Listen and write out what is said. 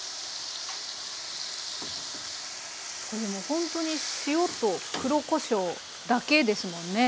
ほんとに塩と黒こしょうだけですもんね